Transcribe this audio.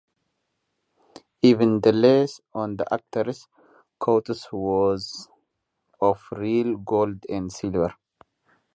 Even the lace on the actors' coats was of real gold and silver.